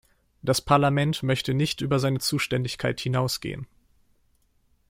Das Parlament möchte nicht über seine Zuständigkeit hinausgehen.